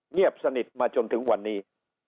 เงียบสนิทมาจนถึงวันนี้